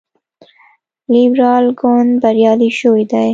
لیبرال ګوند بریالی شوی دی.